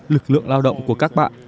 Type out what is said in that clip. lực lượng lao động của các bạn